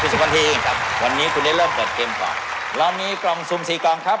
หมายเลข๓ครับ